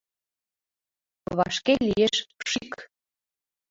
Вашке лиеш пшик!